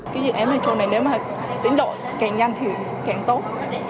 cái dự án metro này nếu mà tiến độ càng nhanh thì càng tốt